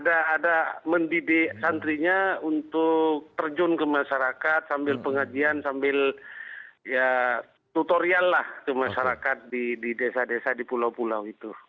ada mendidik santrinya untuk terjun ke masyarakat sambil pengajian sambil ya tutorial lah ke masyarakat di desa desa di pulau pulau itu